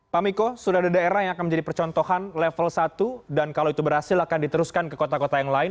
pak miko sudah ada daerah yang akan menjadi percontohan level satu dan kalau itu berhasil akan diteruskan ke kota kota yang lain